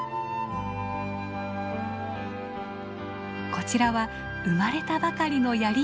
こちらは生まれたばかりのヤリイカ。